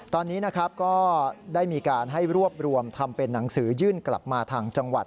ตอนนี้นะครับก็ได้มีการให้รวบรวมทำเป็นหนังสือยื่นกลับมาทางจังหวัด